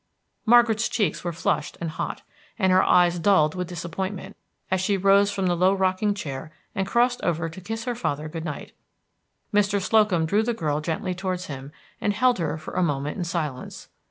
Margaret's cheeks were flushed and hot, and her eyes dulled with disappointment, as she rose from the low rocking chair and crossed over to kiss her father good night. Mr. Slocum drew the girl gently towards him, and held her for a moment in silence.